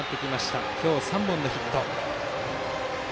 今日、３本のヒット。